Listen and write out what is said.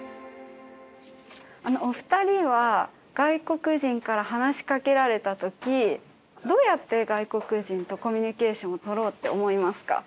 お二人は外国人から話しかけられた時どうやって外国人とコミュニケーションを取ろうって思いますか？